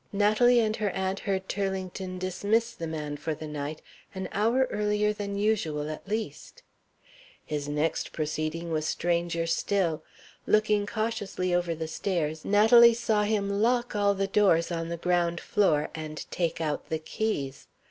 Natalie and her aunt heard Turlington dismiss the man for the night, an hour earlier than usual at least. His next proceeding was stranger still. Looking cautiously over the stairs, Natalie saw him lock all the doors on the ground floor and take out the keys.